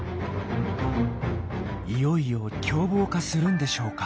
いよいよ凶暴化するんでしょうか？